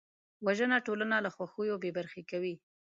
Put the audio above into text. وژنه ټولنه له خوښیو بېبرخې کوي